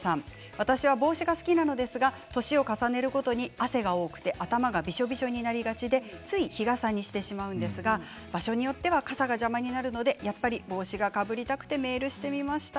私は帽子が好きなのですが年を重ねるごとに汗が多くて頭がびしょびしょになりがちでつい日傘にしてしまうんですが場所によっては傘が邪魔になるので、やっぱり帽子がかぶりたくてメールしてみました。